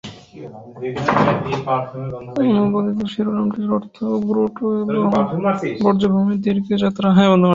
অনুবাদিত শিরোনামটির অর্থ "গ্রোটো এবং বর্জ্যভূমির দিকে যাত্রা"।